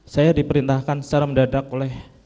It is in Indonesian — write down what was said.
saya diperintahkan secara mendadak oleh